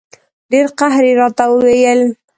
ډېر قهر یې راته وویل.